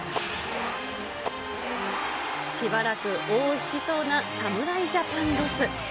しばらく尾を引きそうな侍ジャパンロス。